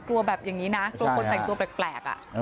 แบบอย่างนี้นะกลัวคนแต่งตัวแปลก